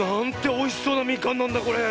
おいしそうなみかんなんだこれ！